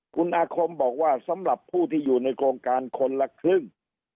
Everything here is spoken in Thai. คุณอาคมบอกว่าสำหรับผู้ที่อยู่ในโครงการคนละครึ่ง